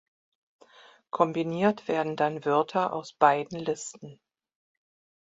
Kombiniert werden dann Wörter aus beiden Listen.